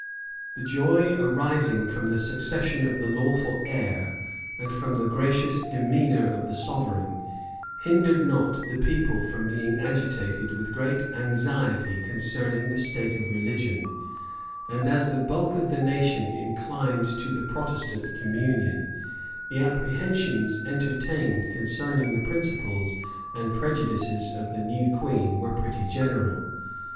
The joy arising from the succession of the lawful heir, and from the gracious demeanor of the sovereign, hindered not the people from being agitated with great anxiety concerning the state of religion; and as the bulk of the nation inclined to the Protestant communion, the apprehensions entertained concerning the principles and prejudices of the new queen were pretty general.